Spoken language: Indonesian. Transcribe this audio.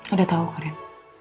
udah tahu ren